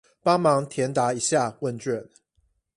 幫忙填答一下問卷